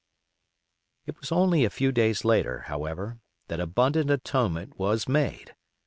It was only a few days later, however, that abundant atonement was made.